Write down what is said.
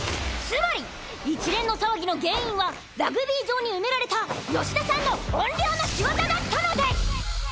つまり一連の騒ぎの原因はラグビー場に埋められた吉田さんの怨霊の仕業だったのです！